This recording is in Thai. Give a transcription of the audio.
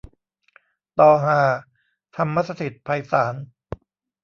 ตอฮา ธรรมสถิตไพศาล